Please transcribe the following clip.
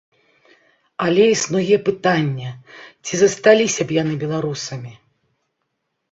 Але існуе пытанне, ці засталіся б яны беларусамі?